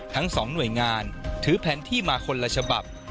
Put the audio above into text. ทั้ง๒หน่วยงานถือแผนที่มาคนละฉบับ